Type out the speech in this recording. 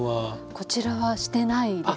こちらはしてないですね。